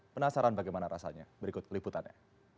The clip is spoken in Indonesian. penasaran bagaimana rasanya berikut liputannya